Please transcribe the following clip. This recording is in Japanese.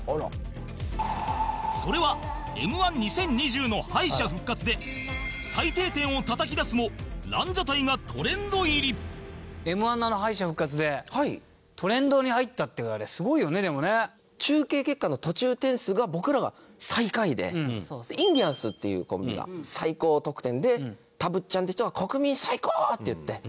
それは Ｍ−１２０２０ の敗者復活で最低点をたたき出すも「ランジャタイ」がトレンド入り中継結果の途中点数が僕らが最下位でインディアンスっていうコンビが最高得点でたぶっちゃんって人が「国民最高ー！」って言って。